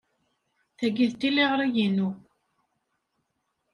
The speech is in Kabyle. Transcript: Tagi d tiliɣri-inu.